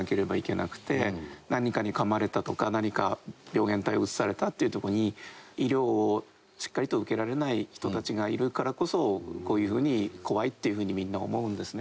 何かに噛まれたとか何か病原体をうつされたっていう時に医療をしっかりと受けられない人たちがいるからこそこういう風に怖いっていう風にみんな思うんですね。